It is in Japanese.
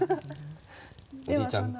おじいちゃん。